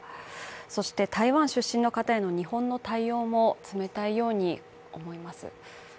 そして、台湾出身の方への日本の対応も冷たいように思います。